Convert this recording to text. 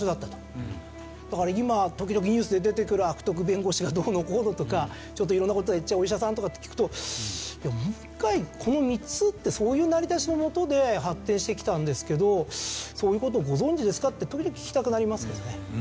だから今時々ニュースで出てくる悪徳弁護士がどうのこうのとかちょっと色んな事をやっちゃうお医者さんとかって聞くともう一回この３つってそういう成り立ちのもとで発展してきたんですけどそういう事をご存じですか？って時々聞きたくなりますけどね。